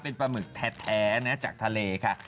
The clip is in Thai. เป็นปลาหมึกแท้นะจากทะเลค่ะ